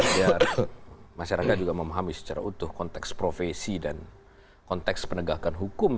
biar masyarakat juga memahami secara utuh konteks profesi dan konteks penegakan hukum